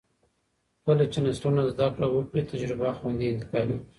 کله چې نسلونه زده کړه وکړي، تجربه خوندي انتقالېږي.